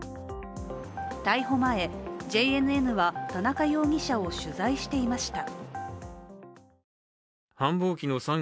逮捕前、ＪＮＮは田中容疑者を取材していました。